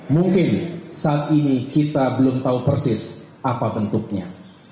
mungkin saat ini kita belum tahu persis apa bentuknya